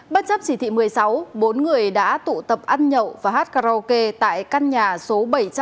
bất chấp chỉ thị một mươi sáu bốn người đã tụ tập ăn nhậu và hát karaoke tại căn nhà số bảy trăm sáu mươi bảy